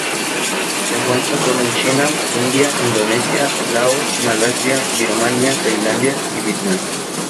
Se encuentra sólo en China, India, Indonesia, Laos, Malasia, Birmania, Tailandia, y Vietnam.